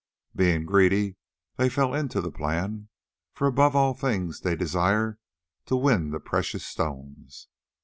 Being greedy, they fell into the plan, for above all things they desired to win the precious stones.